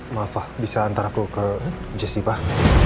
maaf pak bisa andar aku ke jessy pak